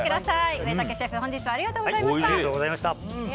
植竹シェフありがとうございました。